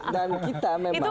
dan kita memang